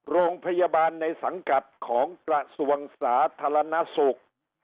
โรงพยาบาลในสังกัดของกระทรวงสาธารณสุข